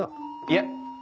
いえ！